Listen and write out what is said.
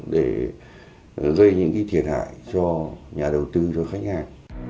để gây những thiệt hại cho nhà đầu tư cho khách hàng